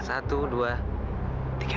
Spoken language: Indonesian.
satu dua tiga